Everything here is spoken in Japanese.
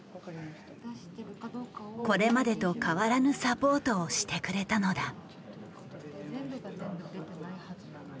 これまでと変わらぬサポートをしてくれたのだ。